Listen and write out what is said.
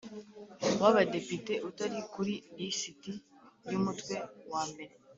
w Abadepite utari kuri lisiti y Umutwe wambere